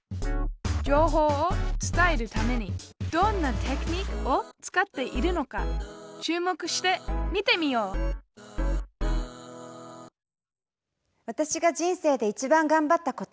情報を伝えるためにどんなテクニックを使っているのか注目して見てみよう私が人生でいちばんがんばった事。